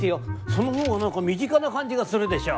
その方が何か身近な感じがするでしょ。